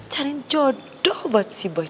cariin jodoh buat si boy